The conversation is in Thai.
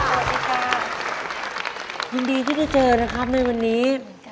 ง่ายดีที่จะเจอกันในวันนี้